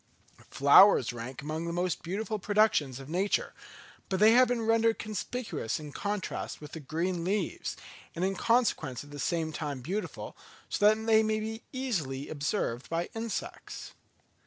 Flowers rank among the most beautiful productions of nature; but they have been rendered conspicuous in contrast with the green leaves, and in consequence at the same time beautiful, so that they may be easily observed by insects.